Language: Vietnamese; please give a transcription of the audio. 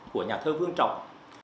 của nhà thơ vương trọng